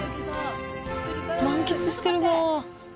満喫してるなあ。